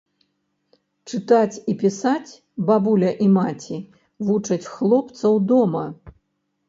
Чытаць і пісаць бабуля і маці вучаць хлопцаў дома.